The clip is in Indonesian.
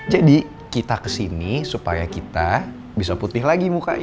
jadi kita kesini supaya kita bisa berjalan ke tempat yang kita inginkan